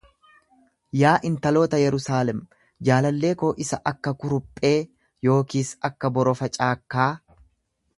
Yaa intaloota Yerusaalem, jaalallee koo isa akka kuruphee yookiis akka borofa caakkaa,